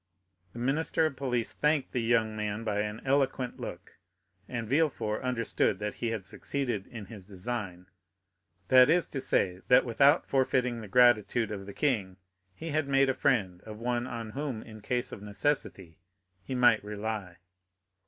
The minister of police thanked the young man by an eloquent look, and Villefort understood that he had succeeded in his design; that is to say, that without forfeiting the gratitude of the king, he had made a friend of one on whom, in case of necessity, he might rely.